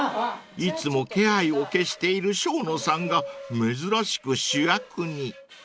［いつも気配を消している生野さんが珍しく主役に］